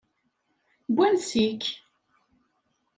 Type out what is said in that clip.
N wansi-k?